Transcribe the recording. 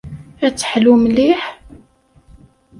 Ad teḥlu mliḥ?